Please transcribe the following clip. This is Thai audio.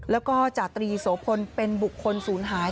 แล้วก็จาตรีโสพลเป็นบุคคลศูนย์หาย